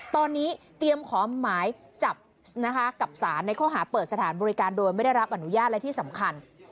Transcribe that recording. ตอนนี้เตรียมขอหมายจับนะคะกับสารในข้อหาเปิดสถานบริการโดยไม่ได้รับอนุญาตและที่สำคัญ